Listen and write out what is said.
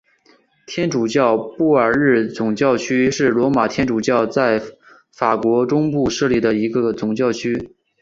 天主教布尔日总教区是罗马天主教在法国中部设立的一个总教区。